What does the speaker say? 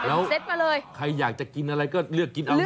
โอ้โหแล้วใครอยากจะกินอะไรก็เลือกกินเอานี้เหรอ